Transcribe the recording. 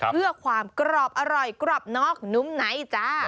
เพื่อความกรอบอร่อยกรอบนอกนุ่มไหนจ้า